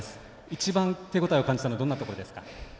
一番手応えを感じたのはどんなところですか？